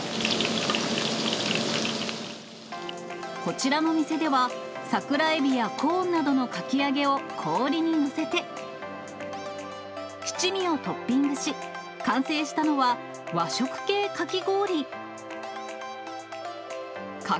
こちらの店では、桜エビやコーンなどのかき揚げを氷に載せて、七味をトッピングし、完成したのは和食系かき氷。